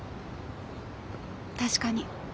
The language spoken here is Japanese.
確かに。